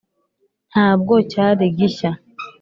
ntabwo cyari gishya!